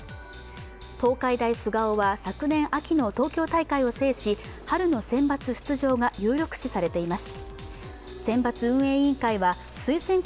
東海大菅生は昨年秋の東京大会を制し春の選抜出場が有力視されています。